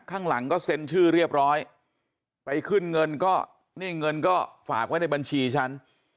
ข้างหลังก็เซ็นชื่อเรียบร้อยไปขึ้นเงินก็นี่เงินก็ฝากไว้ในบัญชีฉัน